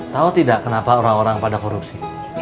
tahu tidak kenapa orang orang pada korupsi